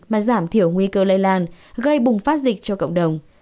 mà giảm thiểu nguy cơ lây lan gây bùng phát dịch cho cộng đồng